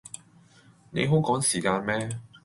你好趕時間咩